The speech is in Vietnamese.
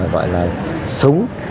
gọi là súng